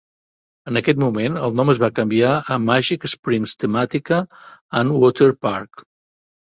En aquest moment el nom es va canviar a Magic Springs Temàtica and Water Park.